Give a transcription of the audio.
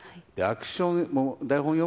アクション、台本